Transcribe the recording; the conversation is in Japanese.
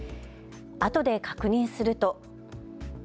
あとで確認すると。